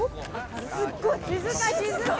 すっごい、静か。